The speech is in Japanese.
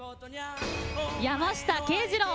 山下敬二郎。